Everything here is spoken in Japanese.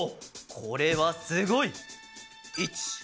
これはすごい！